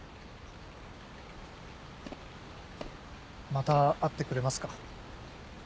また会ってくれますか？